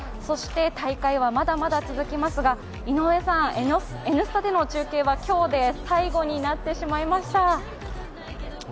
大会はまだまだ続きますが、「Ｎスタ」での中継は今日で最後になってしまいました。